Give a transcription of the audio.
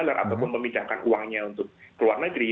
ataupun memindahkan uangnya untuk keluar negeri